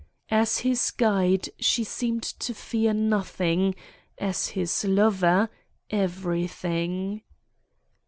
As his guide she seemed to fear nothing; as his lover, everything.